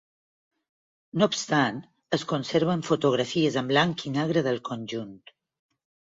No obstant es conserven fotografies en blanc i negre del conjunt.